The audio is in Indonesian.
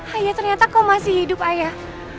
ayah ternyata kau masih hidup ayah